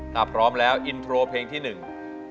น้าพร้อมแล้วอินโทรเพลงที่๑มาเลยครับ